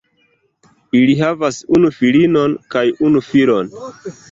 Ili havas unu filinon kaj unu filon.